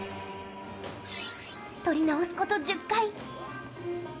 撮り直すこと１０回。